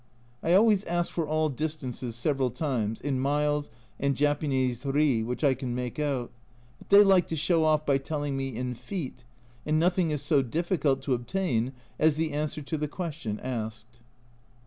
I always ask for all distances several times, in miles and Japanese ri which I can make out ; but they like to show off by telling me in feet, and nothing is so difficult to obtain as the answer to the question asked.